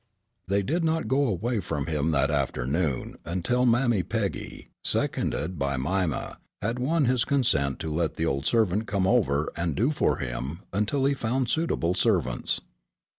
They did not go away from him that afternoon until Mammy Peggy, seconded by Mima, had won his consent to let the old servant come over and "do for him" until he found suitable servants.